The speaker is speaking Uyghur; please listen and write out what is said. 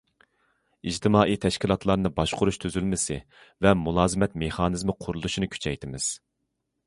ئىجتىمائىي تەشكىلاتلارنى باشقۇرۇش تۈزۈلمىسى ۋە مۇلازىمەت مېخانىزمى قۇرۇلۇشىنى كۈچەيتىمىز.